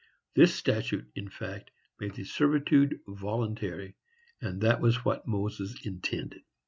This statute, in fact, made the servitude voluntary, and that was what Moses intended.